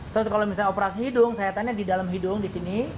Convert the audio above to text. terus kalau misalnya operasi hidung sayatannya di dalam hidung disini